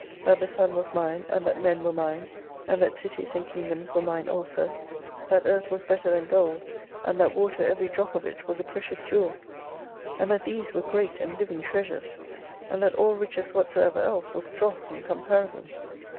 That the Sun was mine, and that men were mine, and that cities and kingdoms were mine also : that Earth was better than gold, and that water, every drop of it was a precious jewel. And that these were great and living treasures : and that all riches whatsoever else was dross in comparison.